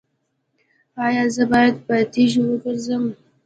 ایا زه باید په تیږو وګرځم؟